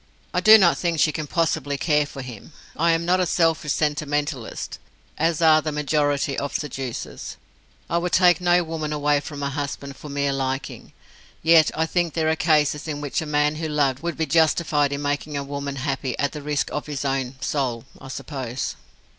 I do not think she can possibly care for him. I am not a selfish sentimentalist, as are the majority of seducers. I would take no woman away from a husband for mere liking. Yet I think there are cases in which a man who loved would be justified in making a woman happy at the risk of his own soul, I suppose.